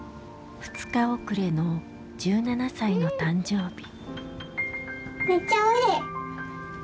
２日遅れの１７歳の誕生日。